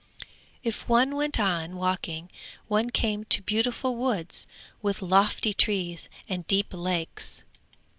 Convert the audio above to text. If one went on walking, one came to beautiful woods with lofty trees and deep lakes.